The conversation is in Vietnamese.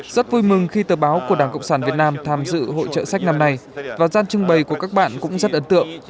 rất vui mừng khi tờ báo của đảng cộng sản việt nam tham dự hội trợ sách năm nay và gian trưng bày của các bạn cũng rất ấn tượng